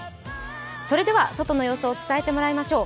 それでは外の様子を伝えてもらいましょう。